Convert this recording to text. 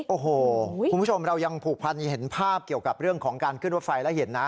โอ้โหคุณผู้ชมเรายังผูกพันเห็นภาพเกี่ยวกับเรื่องของการขึ้นรถไฟแล้วเห็นนะ